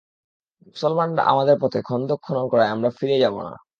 মুসলমানরা আমাদের পথে খন্দক খনন করায় আমরা ফিরে যাব না।